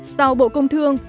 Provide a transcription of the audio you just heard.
sau bộ công thương